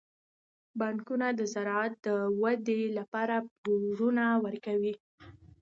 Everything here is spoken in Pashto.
بانکونه د زراعت د ودې لپاره پورونه ورکوي.